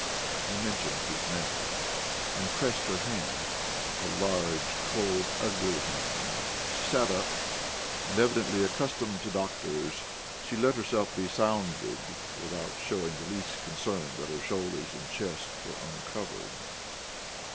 He mentioned his name and pressed her hand, a large, cold, ugly hand; she sat up, and, evidently accustomed to doctors, let herself be sounded, without showing the least concern that her shoulders and chest were uncovered.